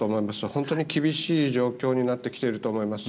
本当に厳しい状況になってきていると思います。